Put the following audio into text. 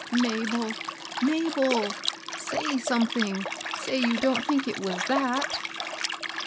"Mabel! Mabel! say something, — say you don't think it was that